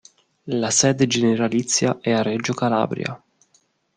La sede generalizia è a Reggio Calabria.